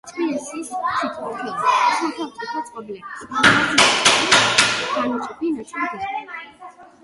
თბილისის თვითმმართველობა სახელმწიფო წყობილების მართვის სისტემის განუყოფელი ნაწილი გახდა.